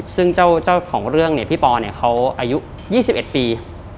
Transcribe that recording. ซึ่งเจ้าของเรื่องพี่ปอล์เขาอายุ๒๑ปี